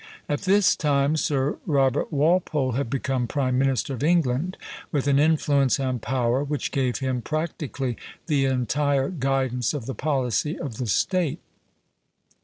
At this time Sir Robert Walpole had become prime minister of England, with an influence and power which gave him practically the entire guidance of the policy of the State.